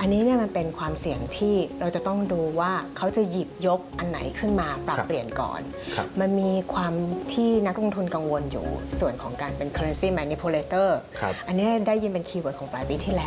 อันนี้ก็ได้ยินเป็นคีควอร์ดของปลายปีที่แล้ว